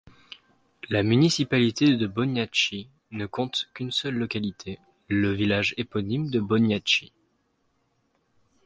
La municipalité de Bošnjaci ne compte qu'une seule localité, le village éponyme de Bošnjaci.